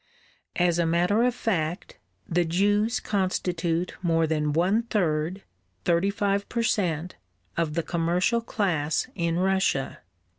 As a matter of fact, the Jews constitute more than one third, thirty five per cent., of the commercial class in Russia.